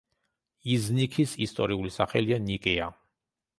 იზნიქის ისტორიული სახელია ნიკეა.